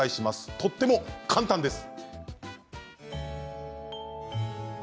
とっても簡単です。